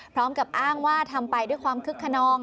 พร้อมกับอ้างว่าทำไปด้วยความคึกขนอง